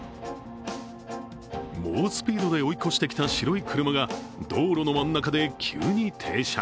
猛スピードで追い越してきた白い車が道路の真ん中で急に停車。